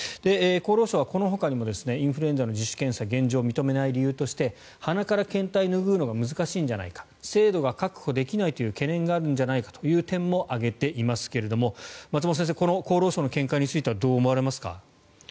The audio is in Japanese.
厚労省はこのほかにもインフルエンザの自主検査を現状認めない理由として鼻から検体を拭うのが難しいんじゃないか精度が確保できないという懸念があるんじゃないかという点も挙げていますけれども松本先生この厚労省の見解についてはどう思われますか？